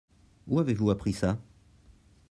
Où avez-vous appris ça ?